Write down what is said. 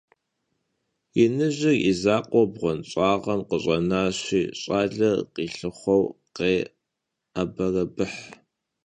Yinıjır yi zakhueu bğuenş'ağım khış'enaşi ş'aler khilhıxhueu khê'eberebıh.